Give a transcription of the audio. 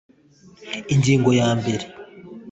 ingingo ya mbere